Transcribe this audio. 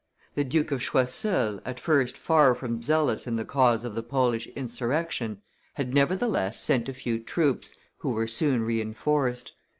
The Duke of Choiseul, at first far from zealous in the cause of the Polish insurrection, had nevertheless sent a few troops, who were soon re enforced.